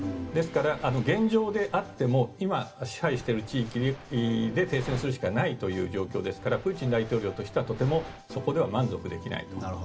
ですから、現状で会っても今、支配している地域で停戦するしかないという状況ですからプーチン大統領としてはとてもそこでは満足できない。